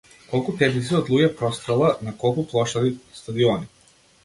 Колку теписи од луѓе прострела, на колку плоштади, стадиони.